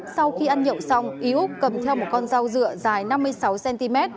sau khi ăn nhậu xong ý úc cầm theo một con dao dựa dài năm mươi sáu cm